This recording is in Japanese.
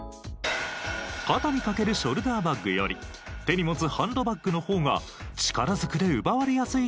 肩にかけるショルダーバッグより手に持つハンドバッグの方が力ずくで奪われやすいとの事。